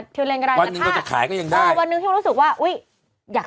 ถูก